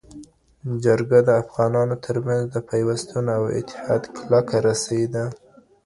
جرګه د افغانانو ترمنځ د پیوستون او اتحاد کلکه رسۍ ده.